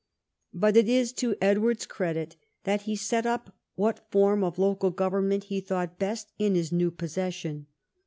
But it is to Edward's credit that he set vip what form of local government he thought best in his new possession.